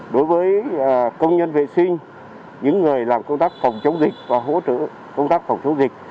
đối với công nhân vệ sinh những người làm công tác phòng chống dịch và hỗ trợ công tác phòng chống dịch